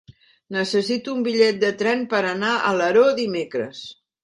Necessito un bitllet de tren per anar a Alaró dimecres.